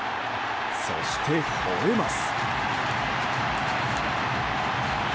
そして、吠えます。